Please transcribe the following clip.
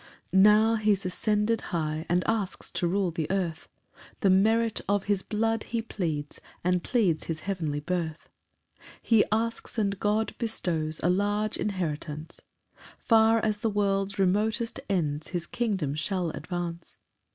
PAUSE. 6 Now he's ascended high, And asks to rule the earth; The merit of his blood be pleads, And pleads his heavenly birth. 7 He asks, and God bestows A large inheritance; Far as the world's remotest ends His kingdom shall advance.